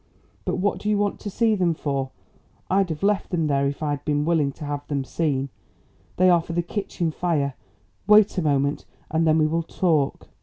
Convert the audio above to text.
But what do you want to see them for? I'd have left them there if I had been willing to have them seen. They are for the kitchen fire. Wait a moment and then we will talk."